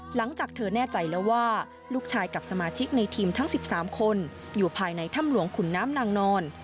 หลังจากเธอแน่ใจแล้วว่าลูกชายกับสมาชิกในทีมทั้ง๑๓คนอยู่ภายในถ้ำหลวงขุนน้ำนางนอน